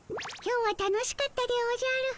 今日は楽しかったでおじゃる。